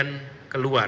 dan berpergian keluar